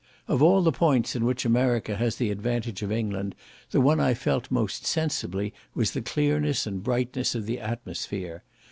Of all the points in which America has the advantage of England, the one I felt most sensibly was the clearness and brightness of the atmosphere.